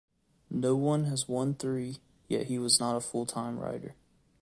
No one has won three, yet he was not a full-time writer.